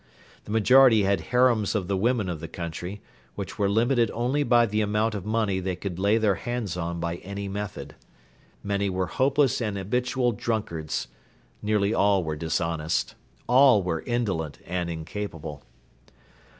The majority had harems of the women of the country, which were limited only by the amount of money they could lay their hands on by any method. Many were hopeless and habitual drunkards. Nearly all were dishonest. All were indolent and incapable.